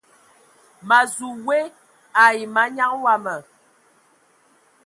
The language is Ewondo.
Ma zu we ai manyaŋ wama.